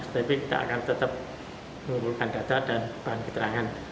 tetapi kita akan tetap mengumpulkan data dan bahan keterangan